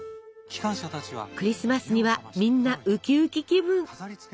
クリスマスにはみんなウキウキ気分！